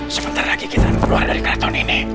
sebentar lagi kita keluar dari keraton ini